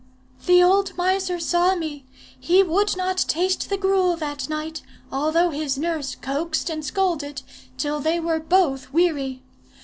"The old miser saw me: he would not taste the gruel that night, although his nurse coaxed and scolded till they were both weary.